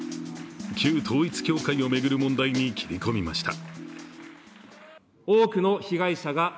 旧統一教会を巡る問題に切り込みました。